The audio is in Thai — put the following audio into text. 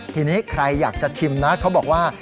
ทีนี้ใครอยากจะชิมนะเขาบอกว่า